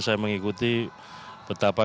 saya mengikuti betapa